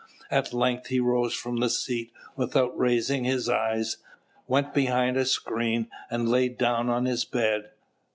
At length he rose from the seat, without raising his eyes, went behind a screen, and lay down on his bed.